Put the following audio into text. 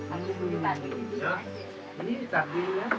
อ้าว